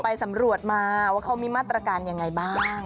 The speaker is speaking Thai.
ไปสำรวจมาว่าเขามีมาตรการยังไงบ้าง